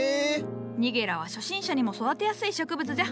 ニゲラは初心者にも育てやすい植物じゃ。